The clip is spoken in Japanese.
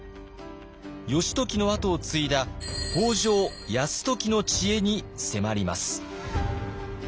義時の跡を継いだ北条泰時の知恵に迫ります。